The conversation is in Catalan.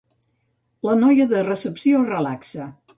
La noia de recepció es relaxa.